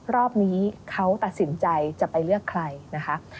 รอบนี้เขาตัดสินใจจะไปเลือกใครนะคะ